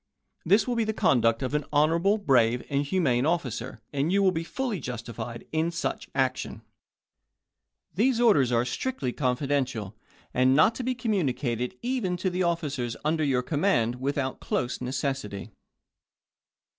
This will be the conduct of an honorable, brave, and humane officer, and you will be fully justified in such action. These orders are strictly Floyd to confidential, and not to be communicated even to the Dec.2u°6o. officers under your command without close necessity.